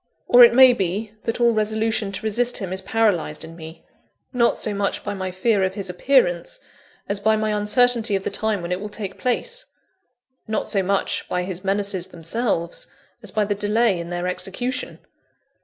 Or it may be, that all resolution to resist him is paralysed in me, not so much by my fear of his appearance, as by my uncertainty of the time when it will take place not so much by his menaces themselves, as by the delay in their execution.